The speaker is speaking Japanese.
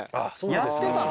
やってたの？